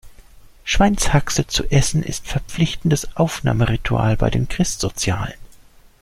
Schweinshaxe zu essen, ist verpflichtendes Aufnahmeritual bei den Christsozialen.